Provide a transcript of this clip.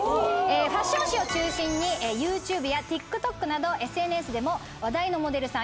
ファッション誌を中心にＹｏｕＴｕｂｅやＴｉｋＴｏｋなどＳＮＳでも話題のモデルさん